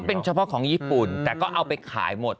เป็นเฉพาะของญี่ปุ่นแต่ก็เอาไปขายหมด